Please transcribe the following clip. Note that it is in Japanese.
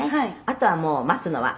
「あとはもう待つのは」